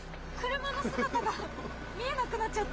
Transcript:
車の姿が見えなくなっちゃった。